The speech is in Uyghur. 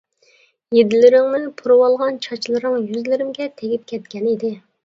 ھىدلىرىڭنى پۇرىۋالغان، چاچلىرىڭ يۈزلىرىمگە تېگىپ كەتكەن ئىدى.